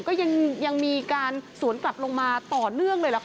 ก็ยังมีการสวนกลับลงมาต่อเนื่องเลยล่ะค่ะ